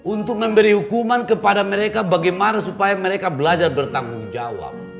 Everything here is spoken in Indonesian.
untuk memberi hukuman kepada mereka bagaimana supaya mereka belajar bertanggung jawab